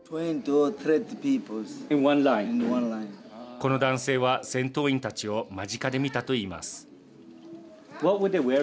この男性は、戦闘員たちを間近で見たといいます。